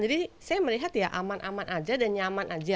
jadi saya melihat ya aman aman aja dan nyaman